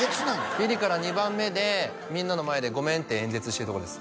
ビリから２番目でみんなの前でごめんって演説してるところです